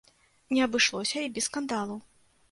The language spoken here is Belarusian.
Не абышлося і без скандалу.